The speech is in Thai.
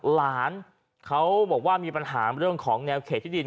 หลานเขาบอกว่ามีปัญหาเรื่องของแนวเขตที่ดิน